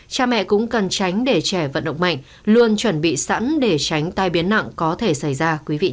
cha mẹ cũng cần tránh để trẻ vận động mạnh luôn chuẩn bị sẵn để tránh tai biến nặng có thể xảy ra quý vị